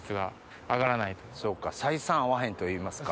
そっか採算合わへんといいますか。